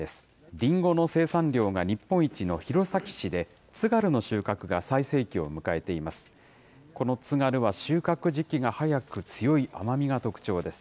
りんごの生産量が日本一の弘前市でつがるの収穫が最盛期を迎えています。